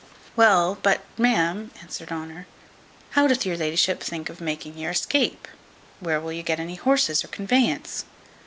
"Well, but, ma'am," answered Honour, "how doth your la'ship think of making your escape? Where will you get any horses or conveyance?